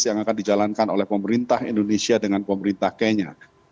yang akan dijalankan oleh pemerintah indonesia dengan pemerintah kenya